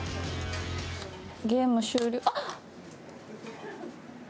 ゲーム終了あ！